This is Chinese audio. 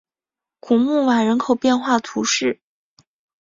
古穆瓦人口变化图示